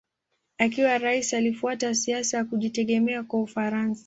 Akiwa rais alifuata siasa ya kujitegemea kwa Ufaransa.